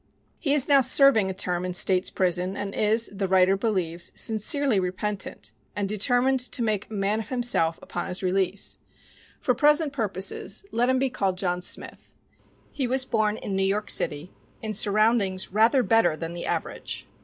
He is now serving a term in State's prison and is, the writer believes, sincerely repentant and determined to make a man of himself upon his release. For present purposes let him be called John Smith. He was born in New York City, in surroundings rather better than the average.